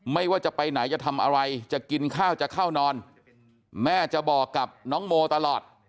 ว่าจะไปไหนจะทำอะไรจะกินข้าวจะเข้านอนแม่จะบอกกับน้องโมตลอด